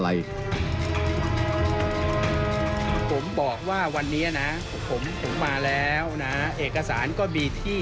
ภาษาอังกฤษ